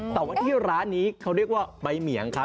แต่ว่าที่ร้านนี้เขาเรียกว่าใบเหมียงครับ